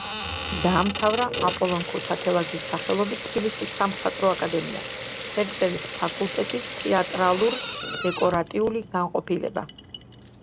დაამთავრა აპოლონ ქუთათელაძის სახელობის თბილისის სამხატვრო აკადემია, ფერწერის ფაკულტეტის თეატრალურ-დეკორატიული განყოფილება.